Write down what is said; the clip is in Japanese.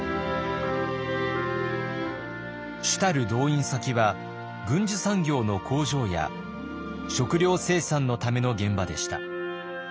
主たる動員先は軍需産業の工場や食糧生産のための現場でした。